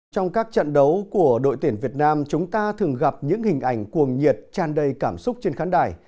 trong các trận đấu của đội tuyển việt nam chúng ta thường gặp những hình ảnh cuồng nhiệt tràn đầy cảm xúc trên khán đài